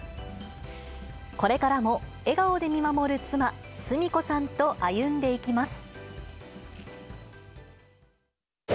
これからも笑顔で見守る妻、澄子さんと歩んでいきます。